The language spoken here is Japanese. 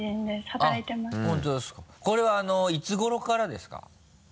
これはいつ頃からですか？